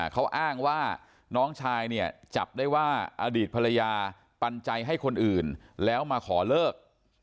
เขาอ้างว่าน้องชายเนี่ยจับได้ว่าอดีตภรรยาปันใจให้คนอื่นแล้วมาขอเลิก